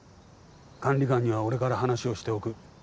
管理官には俺から話をしておく。